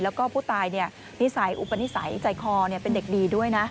แล้วก็ผู้ตายนิสัยอุปนิสัยใจคอเป็นเด็กดีด้วยนะ